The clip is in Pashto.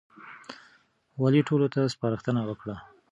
والي ټولو ته سپارښتنه وکړه.